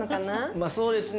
まあそうですね。